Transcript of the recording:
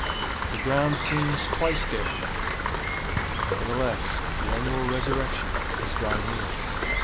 The ground seems twice dead. Nevertheless, the annual resurrection is drawing near.